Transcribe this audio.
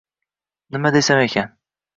nima desam ekan...